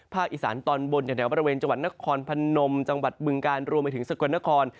อีสานตอนบนแถวบริเวณจังหวัดนครพนมจังหวัดบึงการรวมไปถึงสกลนคร